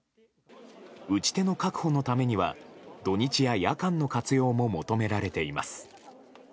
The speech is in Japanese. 打ち手の確保のためには土日や夜間の活用も求められています。